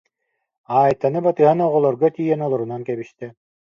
Айтаны батыһан оҕолорго тиийэн олорунан кэбистэ